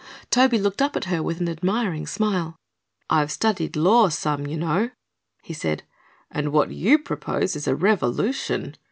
Toby looked up at her with an admiring smile. "I've studied law some, you know," he said, "and what you propose is a revolution.